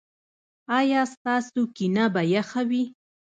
ایا ستاسو کینه به یخه وي؟